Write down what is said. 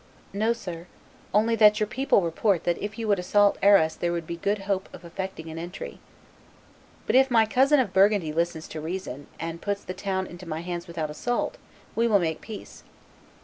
"No, sir; only that your people report that if you would assault Arras there would be good hope of effecting an entry." "But if my cousin of Burgundy listens to reason, and puts the town into my hands without assault, we will make peace."